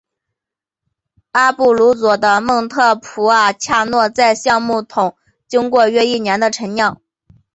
阿布鲁佐的蒙特普尔恰诺在橡木桶经过约一年的陈酿。